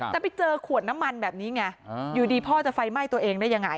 แต่ไปเจอขวดน้ำมันแบบนี้ไงอยู่ดีพ่อจะไฟไหม้ตัวเองได้ยังไง